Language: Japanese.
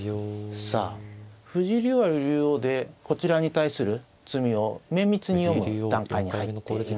さあ藤井竜王は竜王でこちらに対する詰みを綿密に読む段階に入っています。